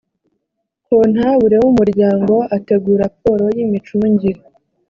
kontabule w’ umuryango ategura raporo y imicungire